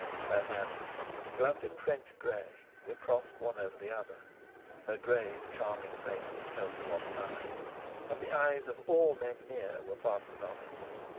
Her hands, gloved in French grey, were crossed one over the other, her grave, charming face held to one side, and the eyes of all men near were fastened on it.